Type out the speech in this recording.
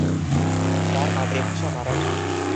তাঁর মাতৃভাষা মারাঠি।